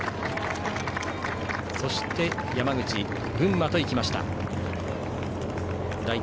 そして山口、群馬と行きました。